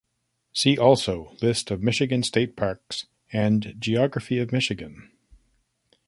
"See also" List of Michigan state parks and geography of Michigan.